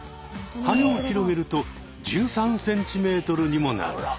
はねを広げると１３ｃｍにもなる。